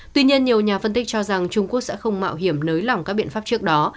tuy nhiên nhiều nhà phân tích cho rằng trung quốc sẽ không mạo hiểm nới lỏng các biện pháp trước đó